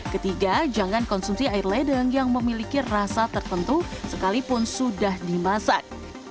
ketiga jangan konsumsi air ledeng yang memiliki rasa tertentu sekalipun sudah dimasak